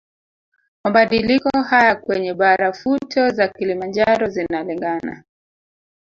Mabadiliko haya kwenye barafuto za Kilimanjaro zinalingana